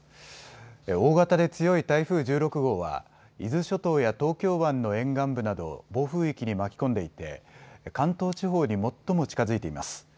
大型で強い台風１６号は伊豆諸島や東京湾の沿岸部などを暴風域に巻き込んでいて関東地方に最も近づいています。